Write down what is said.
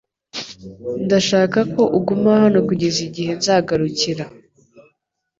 Ndashaka ko uguma hano kugeza igihe nzagarukira .